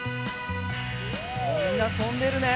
みんなとんでるね。